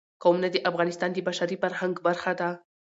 قومونه د افغانستان د بشري فرهنګ برخه ده.